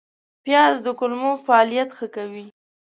پیاز د کولمو فعالیت ښه کوي